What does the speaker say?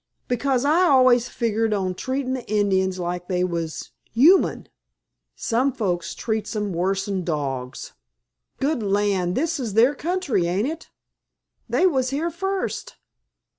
"Because I've always figgered on treatin' the Indians like they was human. Some folks treats 'em worse'n dogs. Good land, this is their country, ain't it? They was here first!